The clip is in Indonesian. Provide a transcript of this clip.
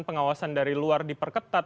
pengawasan dari luar diperketat